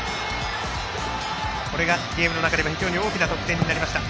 これがゲームの中でも非常に大きな得点になりました。